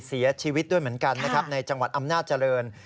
เสียชีวิตด้วยเหมือนกันในจังหวัดอำนาจริง